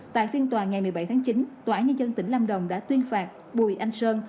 tại phiên tòa ngày một mươi bảy tháng chín tòa án nhân dân tỉnh lâm đồng đã tuyên phạt bùi anh sơn